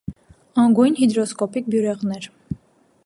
Անգույն հիդրոսկոպիկ բյուրեղներ։